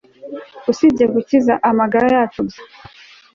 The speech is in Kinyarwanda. usibye gukiza amagara yacu gusa